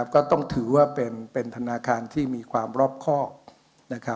ก็ต้องถือว่าเป็นธนาคารที่มีความรอบครอบ